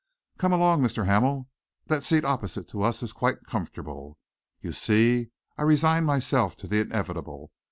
Come along, Mr. Hamel. That seat opposite to us is quite comfortable. You see, I resign myself to the inevitable.